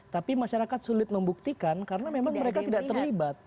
tapi masyarakat sulit membuktikan karena memang mereka tidak terlibat